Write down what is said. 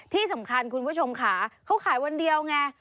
ที่สำคัญคุณผู้ชมค่ะเขาขายวันเดียวไง